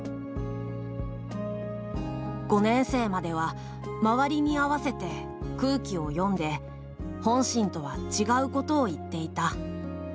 「五年生までは周りに合わせて、空気を読んで本心とは違うことを言っていた」。